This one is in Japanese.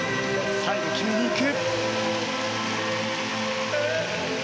最後、決めに行く！